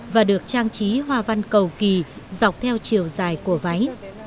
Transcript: và được trang trí hoa văn cầu kỳ dọc theo chiều dài của váy